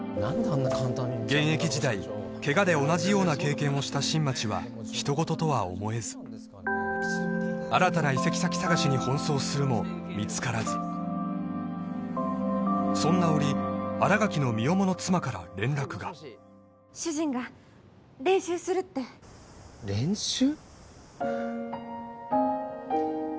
現役時代ケガで同じような経験をした新町はひとごととは思えず新たな移籍先探しに奔走するも見つからずそんな折新垣の身重の妻から連絡が主人が練習するって練習？